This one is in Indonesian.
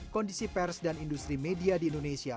kondisi pers dan industri media di indonesia